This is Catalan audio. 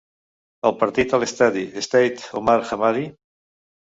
El partit a l'estadi Stade Omar Hamadi.